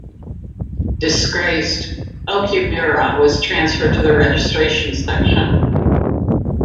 Disgraced, Okumura was transferred to the registration section.